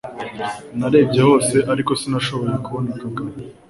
Narebye hose ariko sinashoboye kubona Kagame